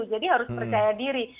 jadi harus berjaya diri